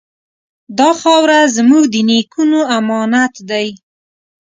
دا خاوره زموږ د نیکونو امانت دی.